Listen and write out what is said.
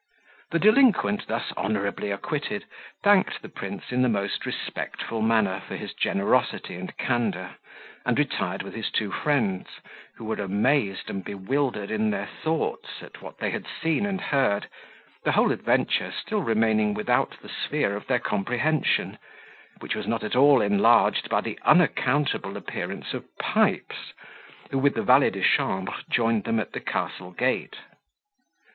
The delinquent, thus honourably acquitted, thanked the prince in the most respectful manner for his generosity and candour, and retired with his two friends, who were amazed and bewildered in their thoughts at what they had seen and heard, the whole adventure still remaining without the sphere of their comprehension, which was not at all enlarged by the unaccountable appearance of Pipes, who, with the valet de chambre, joined them at the castle gate.